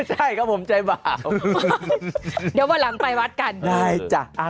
ใช่ครับผมใจบ่าวเดี๋ยววันหลังไปวัดกันได้จ้ะ